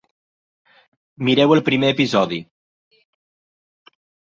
Mireu el primer episodi.